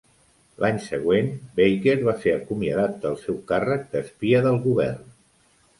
L'any següent, Baker va ser acomiadat del seu càrrec d'espia del govern.